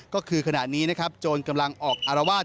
ก็คือขณะนี้นะครับโจรกำลังออกอารวาส